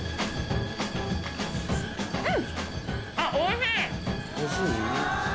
うん！